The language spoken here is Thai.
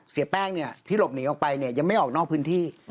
เสียแป้งเนี่ยที่หลบหนีออกไปเนี่ยยังไม่ออกนอกพื้นที่